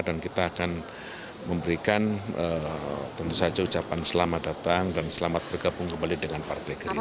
dan kita akan memberikan tentu saja ucapan selamat datang dan selamat bergabung kembali dengan partai gerindra